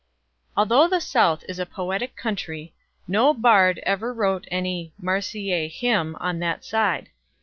Although the South is a poetic country, no bard wrote any "Marseillaise Hymn" on that side.